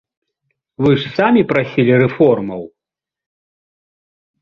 Вы ж самі прасілі рэформаў!